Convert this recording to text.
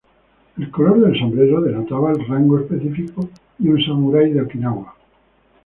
El color del sombrero denotaba el rango específico de un samurái de Okinawa.